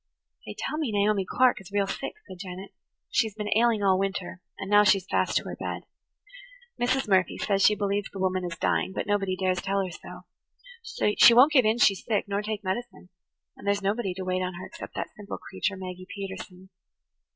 "They tell me Naomi Clark is real sick," said Janet. "She has been ailing all winter, and now she's fast to her bed. Mrs. Murphy says she believes the woman is dying, but nobody dares tell her so. She won't give in she's sick, nor take medicine. And there's nobody to wait on her except that simple creature, Maggie Peterson."